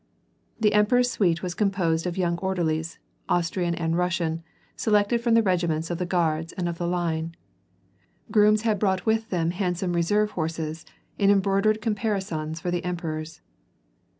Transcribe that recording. The emperors' suite was composed of young orderlies, Austrian and Eussian, selected from the regiments of the Guards and of the Line. Grooms had brought with them handsome reserve horses in embroidered caparisons for the emperors.